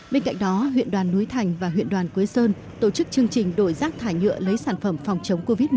bên cạnh đó huyện đoàn núi thành và huyện đoàn quế sơn tổ chức chương trình đội rác thải nhựa lấy sản phẩm phòng chống covid một mươi chín